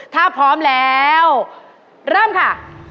ถ้าพร้อมแล้วเริ่มค่ะ